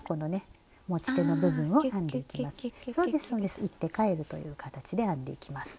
そうです行って帰るという形で編んでいきます。